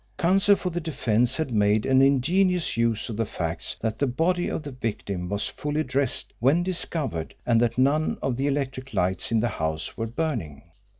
Counsel for the defence had made an ingenious use of the facts that the body of the victim was fully dressed when discovered and that none of the electric lights in the house were burning.